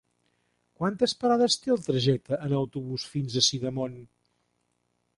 Quantes parades té el trajecte en autobús fins a Sidamon?